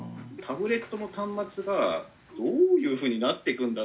タブレットの端末がどういうふうになってくんだろうな。